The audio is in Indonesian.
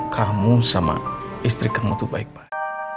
kamu sama istri kamu tuh baik pak